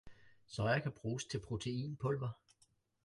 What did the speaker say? Soya kan bruges til proteinpulver